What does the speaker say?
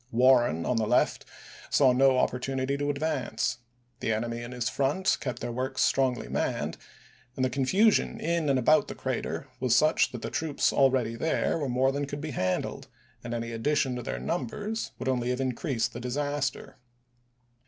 Warren on the left saw no opportunity to advance ; the enemy in his front kept their works strongly manned, and the confusion in and about the crater was such that the troops already there were more than could be handled, and any addition to their numbers would only have increased the disaster.